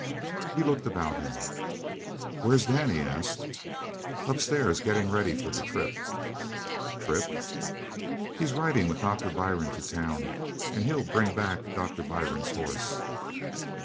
He looked about him. "Where's Dan?" he asked. "Upstairs getting ready for the trip." "Trip?" "He's riding with Doctor Byrne to town and he'll bring back Doctor Byrne's horse."